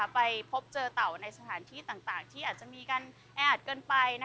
ไปพบเจอเต่าในสถานที่ต่างที่อาจจะมีการแออัดเกินไป